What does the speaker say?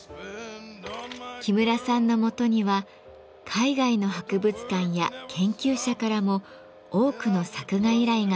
木村さんのもとには海外の博物館や研究者からも多くの作画依頼が届きます。